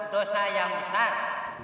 dosa yang besar